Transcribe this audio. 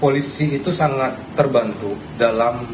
polisi itu sangat terbantu dalam